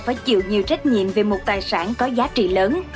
phải chịu nhiều trách nhiệm về một tài sản có giá trị lớn